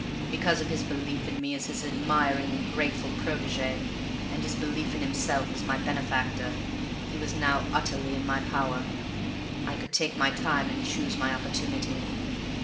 Because of his belief in me as his admiring and grateful protégé and his belief in himself as my benefactor, he was now utterly in my power. I could take my time and choose my opportunity.